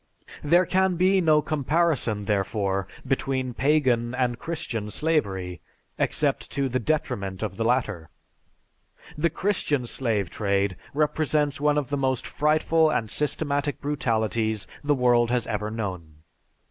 There can be no comparison, therefore, between Pagan and Christian slavery, except to the detriment of the latter. The Christian slave trade represents one of the most frightful and systematic brutalities the world has ever known.